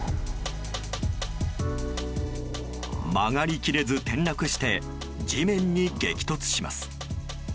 曲がり切れず転落して地面に激突します。